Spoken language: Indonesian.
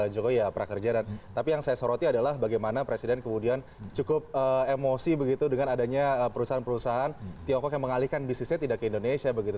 jokowi ya prakerja dan tapi yang saya soroti adalah bagaimana presiden kemudian cukup emosi begitu dengan adanya perusahaan perusahaan tiongkok yang mengalihkan bisnisnya tidak ke indonesia begitu